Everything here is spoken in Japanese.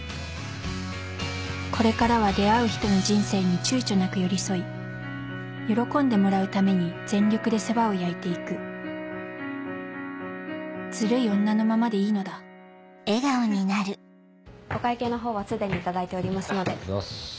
これからは出会う人の人生に躊躇なく寄り添い喜んでもらうために全力で世話を焼いて行くズルい女のままでいいのだお会計のほうは既に頂いておりますので。